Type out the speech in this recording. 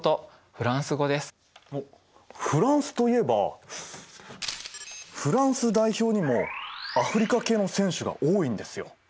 あっフランスといえばフランス代表にもアフリカ系の選手が多いんですよ。